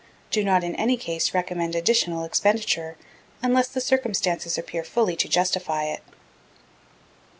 Do not in any case recommend additional expenditure unless the circumstances appear fully to justify it.